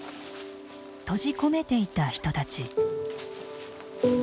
閉じ込めていた人たち。